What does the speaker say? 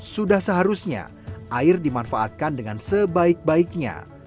sudah seharusnya air dimanfaatkan dengan sebaik baiknya